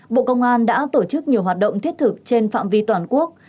bộ công an đã tổ chức nhiều hoạt động thiết thực trên phạm vi toàn quốc